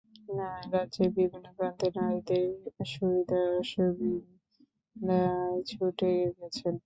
রাজ্যের বিভিন্ন প্রান্তে নারীদের সুবিধা অসুবিধায় ছুটে গেছেন।